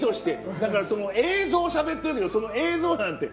だからその映像をしゃべってるけど映像なんて。